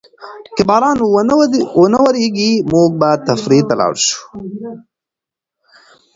که باران ونه وریږي، موږ به تفریح ته لاړ شو.